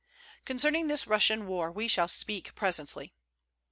Concerning this Russian war we shall speak presently.